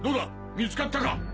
見つかったか？